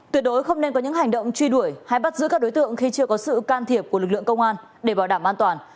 tuyệt đối không nên có những hành động truy đuổi hay bắt giữ các đối tượng khi chưa có sự can thiệp của lực lượng công an để bảo đảm an toàn